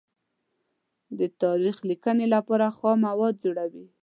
د تاریخ لیکنې لپاره خام مواد جوړوي.